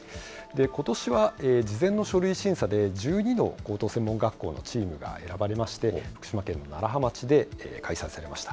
ことしは、事前の書類審査で１２の高等専門学校のチームが選ばれまして、福島県の楢葉町で開催されました。